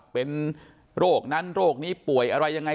เป็นโรคนั้นโรคนี้ป่วยอะไรยังไง